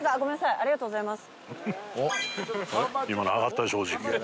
ありがとうございます。